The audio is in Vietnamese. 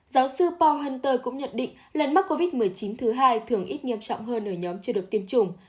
giáo sư ponter cũng nhận định lần mắc covid một mươi chín thứ hai thường ít nghiêm trọng hơn ở nhóm chưa được tiêm chủng